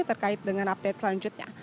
terkait dengan update selanjutnya